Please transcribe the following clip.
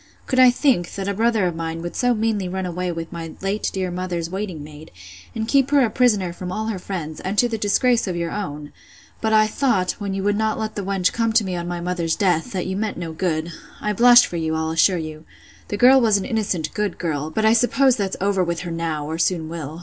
Could I think, that a brother of mine would so meanly run away with my late dear mother's waiting maid, and keep her a prisoner from all her friends, and to the disgrace of your own? But I thought, when you would not let the wench come to me on my mother's death, that you meant no good.—I blush for you, I'll assure you. The girl was an innocent, good girl; but I suppose that's over with her now, or soon will.